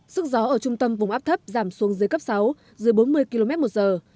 sức gió ở trung tâm vùng áp thấp giảm xuống dưới cấp sáu dưới bốn mươi km một giờ